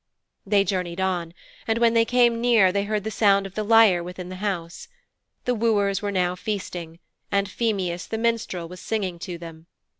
They journeyed on, and when they came near they heard the sound of the lyre within the house. The wooers were now feasting, and Phemius the minstrel was singing to them.